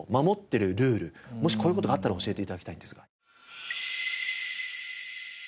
もしこういう事があったら教えて頂きたいんですが。